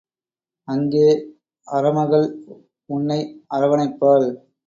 அங்கே அரமகள் உன்னை அர வணைப்பாள்.